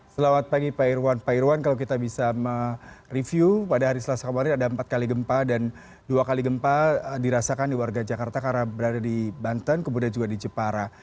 selamat pagi pak irwan pak irwan kalau kita bisa mereview pada hari selasa kemarin ada empat kali gempa dan dua kali gempa dirasakan di warga jakarta karena berada di banten kemudian juga di jepara